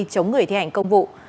chống người thi hành công vụ